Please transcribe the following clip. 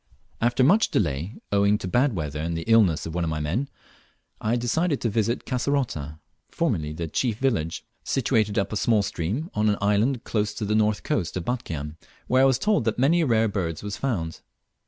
After much delay, owing to bad weather and the illness of one of my men, I determined to visit Kasserota (formerly the chief village), situated up a small stream, on an island close to the north coast of Batchian; where I was told that many rare birds were found.